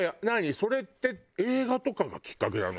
それって映画とかがきっかけなの？